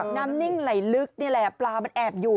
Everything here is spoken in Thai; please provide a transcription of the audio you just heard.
น้ำนิ่งไหลลึกนี่แหละปลาแอบอยู่